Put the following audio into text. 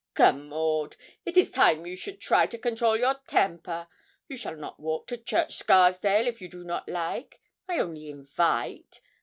'Come, Maud, it is time you should try to control your temper. You shall not walk to Church Scarsdale if you do not like I only invite.